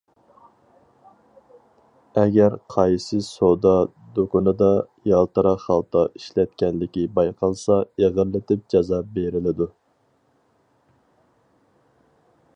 ئەگەر قايسى سودا دۇكىنىدا يالتىراق خالتا ئىشلەتكەنلىكى بايقالسا ئېغىرلىتىپ جازا بېرىلىدۇ.